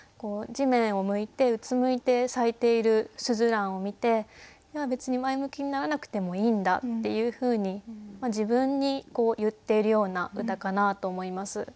地面を向いてうつむいて咲いているすずらんを見ていや別に前向きにならなくてもいいんだっていうふうに自分に言ってるような歌かなと思います。